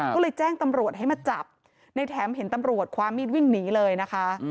ก็เลยแจ้งตำรวจให้มาจับในแถมเห็นตำรวจความมีดวิ่งหนีเลยนะคะ